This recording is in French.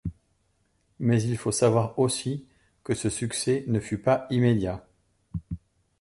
Mais il faut savoir aussi que ce succès ne fut pas immédiat.